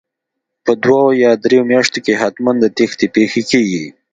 په دوو یا درو میاشتو کې حتمن د تېښتې پېښې کیږي